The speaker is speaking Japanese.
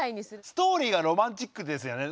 ストーリーがロマンチックですよね。